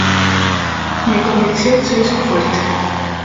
Mi convicción se hizo fuerte.